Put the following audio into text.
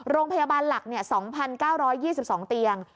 โรงพยาบาลหลัก๒๙๒๒เตียง